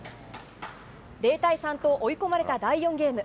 ０対３と追い込まれた第４ゲーム。